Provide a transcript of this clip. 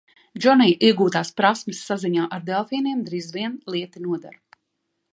Džonija iegūtās prasmes saziņā ar delfīniem drīz vien lieti noder.